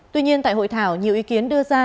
tuy nhiên tại hội thảo nhiều ý kiến đưa ra